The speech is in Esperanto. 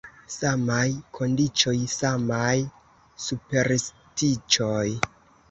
Samaj kondiĉoj, samaj superstiĉoj.